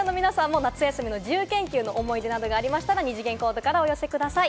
視聴者の皆さんも夏休みの自由研究の思い出などがありましたら二次元コードからお寄せください。